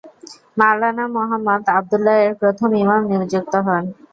মাওলানা মুহাম্মদ আব্দুল্লাহ এর প্রথম ইমাম নিযুক্ত হন।